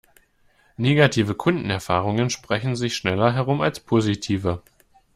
Negative Kundenerfahrungen sprechen sich schneller herum als positive.